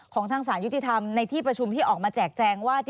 ทางสารยุติธรรมในที่ประชุมที่ออกมาแจกแจงว่า